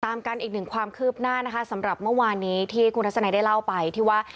ตามกันอีกหนึ่งความคืบหน้านะคะสำหรับเมื่อวานนี้ที่คุณทัศนัยได้เล่าไปที่ว่า